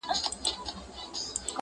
• چي له پرهار څخه مي ستړی مسیحا ووینم ,